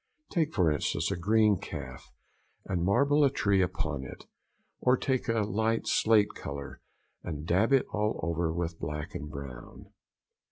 Take for instance a green calf and marble a tree upon it, or take a light slate colour and dab it all over with black and brown.